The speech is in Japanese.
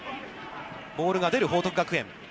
ボールが出る報徳学園。